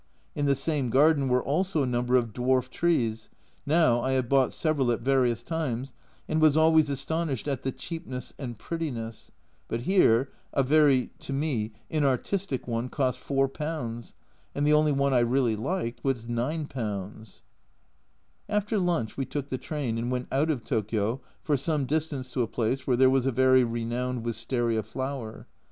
In the same garden were also a number of dwarf trees now I have bought several at various times, and was always astonished at the cheapness and prettiness, but here, a very (to me) inartistic one cost ,4, and the only one I really liked was g \ After lunch we took the train, and went out of Tokio for some distance to a place where there was a very renowned wistaria flower.